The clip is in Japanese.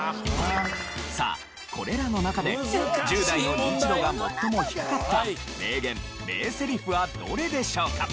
さあこれらの中で１０代のニンチドが最も低かった名言・名セリフはどれでしょうか？